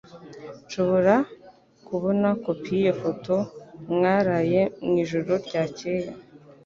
Nshobora kubona kopi yifoto mwaraye mwijoro ryakeye